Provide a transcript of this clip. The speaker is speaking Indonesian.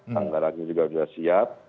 tanggaran ini juga sudah siap